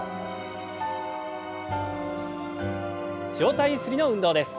上体ゆすりの運動です。